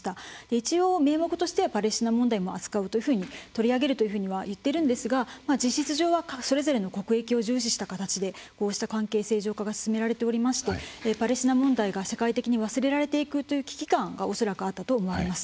一応、名目としてはパレスチナ問題も扱うというふうにいっているんですが事実上はそれぞれの国益を重視した形で関係正常化が進められていましてパレスチナ問題が社会的に忘れられていくという危機感が恐らくあったと思われます。